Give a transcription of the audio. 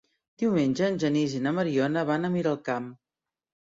Diumenge en Genís i na Mariona van a Miralcamp.